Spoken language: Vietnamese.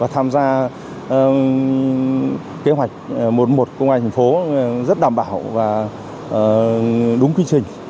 tham gia kế hoạch một một của ngoài thành phố rất đảm bảo và đúng quy trình